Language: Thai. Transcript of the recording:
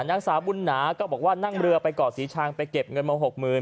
นางสาวบุญหนาก็บอกว่านั่งเรือไปเกาะศรีชังไปเก็บเงินมาหกหมื่น